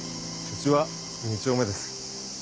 うちは２丁目です。